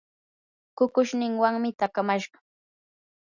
kukushninwanmi taakamashqa.